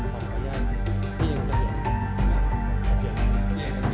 ประโยชน์ครับ